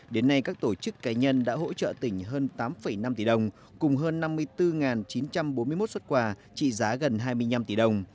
đến nay các tổ chức cá nhân đã hỗ trợ tỉnh hơn tám năm tỷ đồng cùng hơn năm mươi bốn chín trăm bốn mươi một xuất quà trị giá gần hai mươi năm tỷ đồng